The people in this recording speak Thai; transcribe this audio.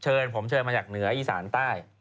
เชิญผมเชิญมาจากเหนืออีสานใต้